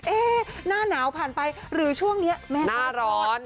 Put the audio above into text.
เอ๊ะหน้าหนาวผ่านไปหรือช่วงนี้แม่ต้องพอดหน้าร้อน